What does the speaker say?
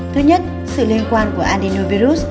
thứ nhất sự liên quan của adenovirus